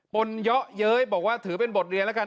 นเยาะเย้ยบอกว่าถือเป็นบทเรียนแล้วกัน